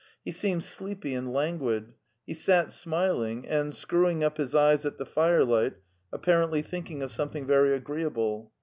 He seemed sleepy and languid; he sat smiling, and, screwing up his eyes at the firelight, apparently thinking of something very agreeable.